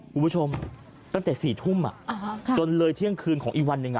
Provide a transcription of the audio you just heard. คุณผู้ชมตั้งแต่๔ทุ่มจนเลยเที่ยงคืนของอีกวันหนึ่ง